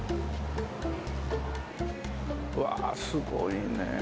うわすごいね。